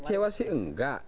kecewa sih enggak